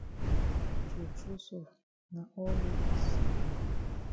True true so na all we dis.